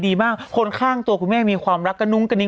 ดีมากคนข้างตัวคุณแม่มีความรักกระนุ้งกระนิ้